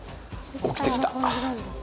起きてきた。